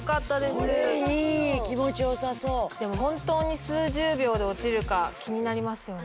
これいい気持ちよさそうでも本当に数十秒で落ちるか気になりますよね